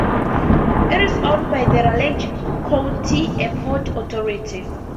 It is owned by the Raleigh County Airport Authority.